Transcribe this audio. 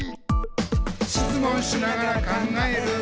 「しつもんしながらかんがえる！」